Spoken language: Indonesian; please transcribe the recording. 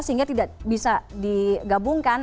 sehingga tidak bisa digabungkan